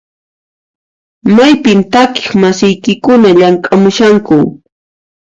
Maypin takiq masiykikuna llamk'amushanku?